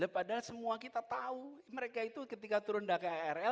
padahal semua kita tahu mereka itu ketika turun dari krl